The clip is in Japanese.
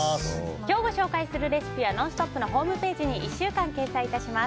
今日ご紹介するレシピは「ノンストップ！」のホームページに１週間掲載いたします。